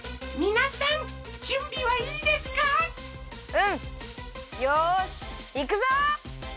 うん！よしいくぞ！